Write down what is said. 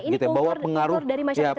ini pengaruh dari masyarakat indonesia sendiri